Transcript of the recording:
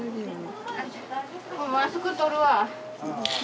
マスク取るわ。